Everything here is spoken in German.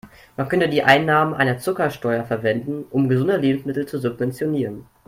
Man könnte die Einnahmen einer Zuckersteuer verwenden, um gesunde Lebensmittel zu subventionieren.